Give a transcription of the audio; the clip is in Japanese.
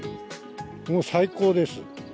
もう最高です。